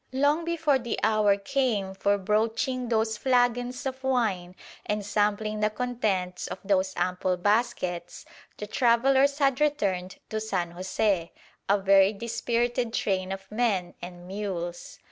Long before the hour came for broaching those flagons of wine and sampling the contents of those ample baskets, "the travellers had returned" to San José, a very dispirited train of men and mules.